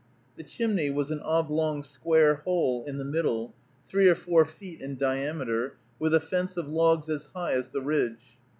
The chimney was an oblong square hole in the middle, three or four feet in diameter, with a fence of logs as high as the ridge.